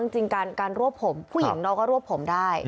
จริงการรวบผมผู้หญิงเราก็รวบผมได้